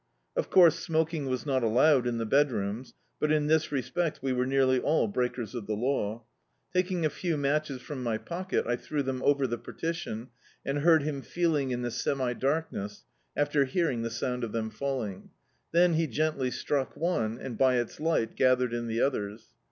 Of couise, smoking was not allowed in the bed^rooms, but in this respect we were nearly all breakers of the law. Taking a few matches from my pocket, I threw them over the partition, and heard him feeling in the semi*darkness, after hearing the sound of them falling. Tlien he gently struck one, and, by its li^t, gathered In the others.